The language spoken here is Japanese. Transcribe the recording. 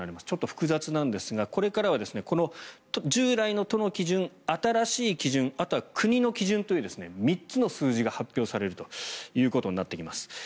ちょっと複雑なんですがこれからはこの従来の都の基準新しい基準あとは国の基準という３つの数字が発表されることになっています。